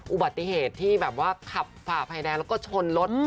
อุบัติเหตุที่แบบว่าขับฝ่าไฟแดงแล้วก็ชนรถ